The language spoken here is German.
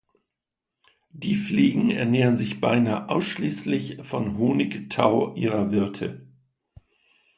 Die Fliegen ernähren sich beinah ausschließlich vom Honigtau ihrer Wirte.